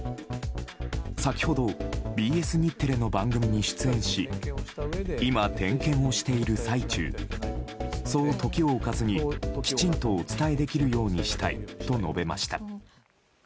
先ほど、ＢＳ日テレの番組に出演し今、点検をしている最中そう時を置かずにきちんとお伝えできるようにしたいと述べました。